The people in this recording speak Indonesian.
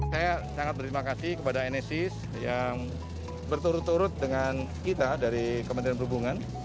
saya sangat berterima kasih kepada nsis yang berturut turut dengan kita dari kementerian perhubungan